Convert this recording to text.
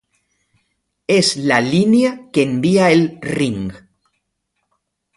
Es la línea que envía el "ring".